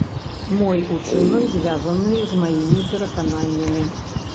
Мой учынак звязаны з маімі перакананнямі.